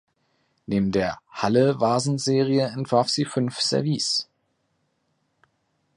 Neben der „Halle“-Vasen-Serie entwarf sie fünf Service.